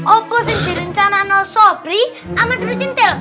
aku sendiri rencana sama sobri sama tri jentil